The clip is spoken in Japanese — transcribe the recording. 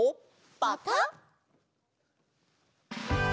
「パカッ！」。